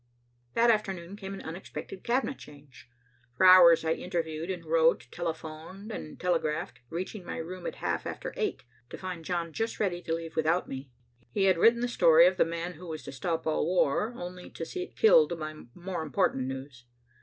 That afternoon came an unexpected Cabinet change. For hours I interviewed, and wrote, telephoned and telegraphed, reaching my room at half after eight, to find John just ready to leave without me. He had written the story of the man who was to stop all war, only to see it killed by more important news.